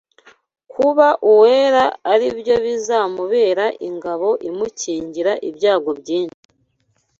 kuba uwera ari byo bizamubera ingabo imukingira ibyago byinshi